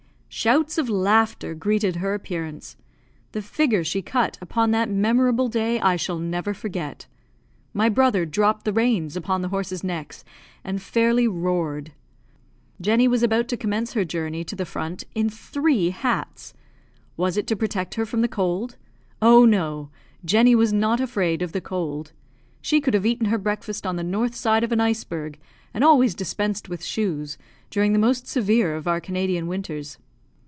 Shouts of laughter greeted her appearance. The figure she cut upon that memorable day I shall never forget. My brother dropped the reins upon the horses' necks, and fairly roared. Jenny was about to commence her journey to the front in three hats. Was it to protect her from the cold? Oh, no; Jenny was not afraid of the cold! She could have eaten her breakfast on the north side of an iceberg, and always dispensed with shoes, during the most severe of our Canadian winters.